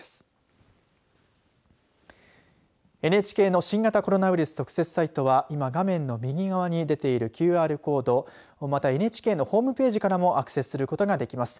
ＮＨＫの新型コロナウイルス特設サイトは今、画面の右側に出ているＱＲコードまたはＮＨＫのホームページからもアクセスすることができます。